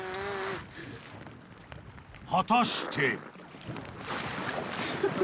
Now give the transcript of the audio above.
［果たして］